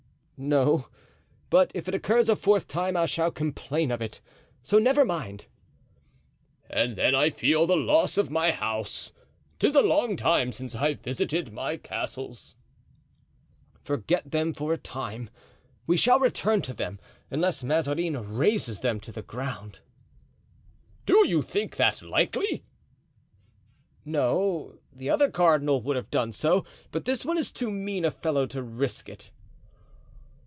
"No; but if it occurs a fourth time I shall complain of it, so never mind." "And then I feel the loss of my house, 'tis a long time since I visited my castles." "Forget them for a time; we shall return to them, unless Mazarin razes them to the ground." "Do you think that likely?" "No, the other cardinal would have done so, but this one is too mean a fellow to risk it."